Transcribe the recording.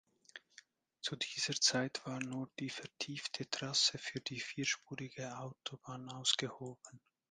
Zu dieser Zeit war nur die vertiefte Trasse für die vierspurige Autobahn ausgehoben.